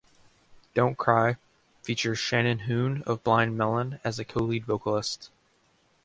"Don't Cry" features Shannon Hoon of Blind Melon as a co-lead vocalist.